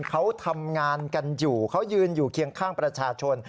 เขาทำงานกันอยู่เขายืนอยู่เคียงข้างประชาชน